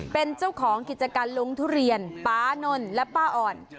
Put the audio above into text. เป็นเจ้าของภิกษากัยลุ้งทุเรียนปานนนท์และป่าอ่อน